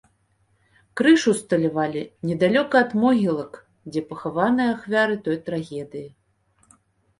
Крыж усталявалі недалёка ад могілак, дзе пахаваныя ахвяры той трагедыі.